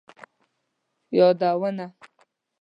یادونه